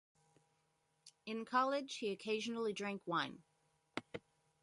In college, he occasionally drank wine.